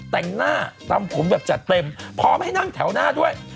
แต่งหน้าทำผมแบบจัดเต็มพร้อมให้นั่งแถวหน้าด้วย